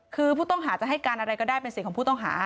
คือผู้ต้องหาจะให้การอะไรก็ได้เป็นสิทธิ์ของผู้ต้องหา